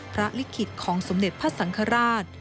ลิขิตของสมเด็จพระสังฆราช